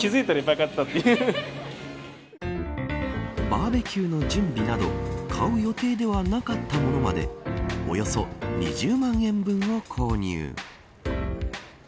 バーベキューの準備など買う予定ではなかったものまでおよそ２０万円分を購入。